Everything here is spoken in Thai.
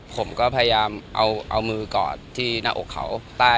ผมก็พยายามเอามือกอดที่หน้าอกเขาใต้